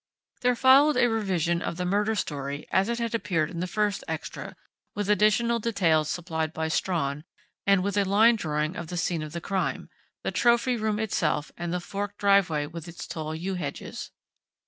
There followed a revision of the murder story as it had appeared in the first extra, with additional details supplied by Strawn, and with a line drawing of the scene of the crime the trophy room itself and the forked driveway with its tall yew hedges.